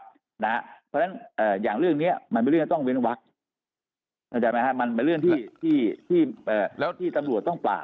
เพราะฉะนั้นอย่างเรื่องนี้มันเป็นเรื่องที่ต้องเว้นวักมันเป็นเรื่องที่ตำรวจต้องปราบ